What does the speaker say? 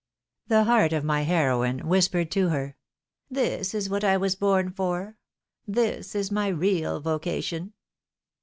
The heart of my heroine whispered to her —" This is what I was born for. This is my real vocation."